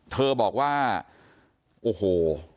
เธอบอกว่าโอ้โห